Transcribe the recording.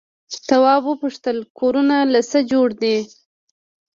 تواب وپوښتل کورونه له څه جوړ دي؟